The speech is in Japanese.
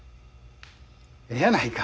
ええやないか。